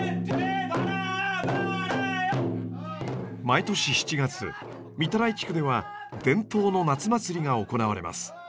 毎年７月御手洗地区では伝統の夏祭りが行われます。